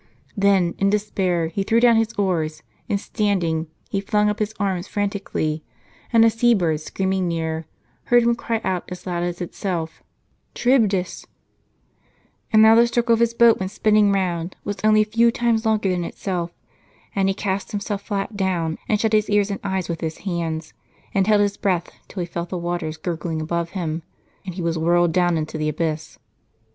Then, in despair, he threw down his oars, and standing he ilung up his arms frantically; and a sea bird screaming near, heard him cry out as loud as itself, " Charibdis !"* And now the circle his boat went spinning round was only a few times longer than itself, and he cast himself flat down, and shut his ears and eyes with his hands, and held his breath, till he felt the w^aters gurgling above him, and he was whirled down into the abyss.